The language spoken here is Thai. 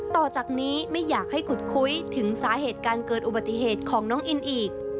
ต่อจากนี้ไม่อยากให้ขุดคุยถึงสาเหตุการเกิดอุบัติเหตุของน้องอินอีก